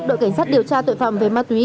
đội cảnh sát điều tra tội phạm về ma túy